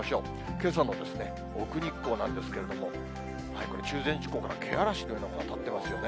けさの奥日光なんですけれども、これ、中禅寺湖からけあらしのようなものが立ってますよね。